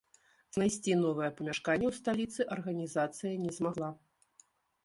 Знайсці новае памяшканне ў сталіцы арганізацыя не змагла.